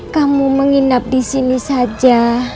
kamu menginap disini saja